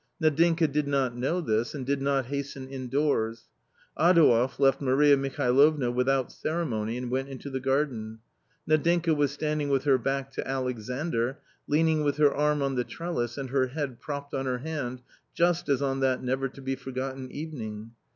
Nadinka did not know this, and did not hasten indoors. Adouev left Maria Mihalovna without ceremony and went into the garden. Nadinka was standing with her back to Alexandr, leaning with her arm on the trellis and her head propped on her hand, just as on that never to be forgotten evening.